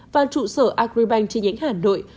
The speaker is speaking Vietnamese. và trụ sở agribank trên nhánh hà nội